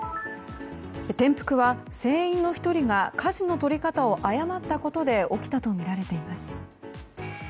転覆は船員１人がかじの取り方を誤ったことで起きたとみられています。